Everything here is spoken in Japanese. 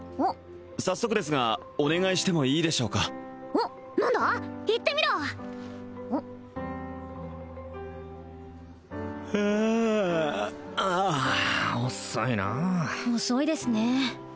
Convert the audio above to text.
早速ですがお願いしてもいいでしょうかおっ何だ言ってみろはあ遅いな遅いですね